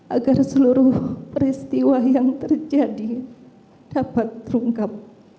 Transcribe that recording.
agar seluruh peristiwa yang terjadi dapat terungkap